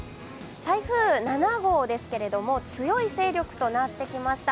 台風７号ですけれども強い勢力となってきました。